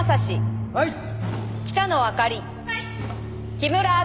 木村明。